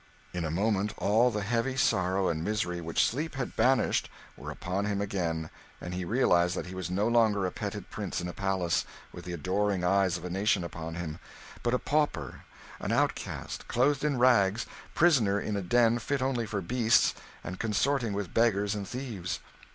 In a moment all the heavy sorrow and misery which sleep had banished were upon him again, and he realised that he was no longer a petted prince in a palace, with the adoring eyes of a nation upon him, but a pauper, an outcast, clothed in rags, prisoner in a den fit only for beasts, and consorting with beggars and thieves.